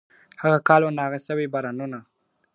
هغه کال وه ناغه سوي بارانونه ..